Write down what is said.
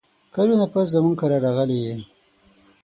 کلونه پس زموږ کره راغلې یې !